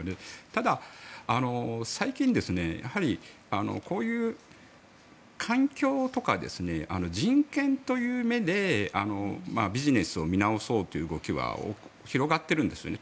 ただ、最近、こういう環境とか人権という目でビジネスを見直そうという動きは広がっているんですよね。